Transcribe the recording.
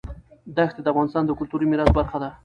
دښتې د افغانستان د کلتوري میراث برخه ده.